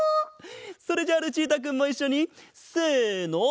それじゃあルチータくんもいっしょにせの。